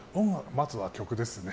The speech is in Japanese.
まずは曲ですね。